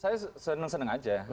saya senang senang aja